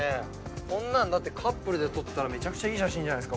こんなんカップルで撮ったらめちゃくちゃいい写真じゃない。